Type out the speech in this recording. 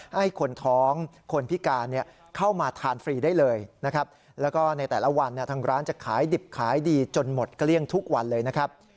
ให้คนท้องคนพิการเข้ามาทานฟรีได้เลยนะครับแล้วก็ในแต่ละวันทางร้านจะขายดิบขายดีจนหมดเกลี้ยงทุกวันเลยนะครับ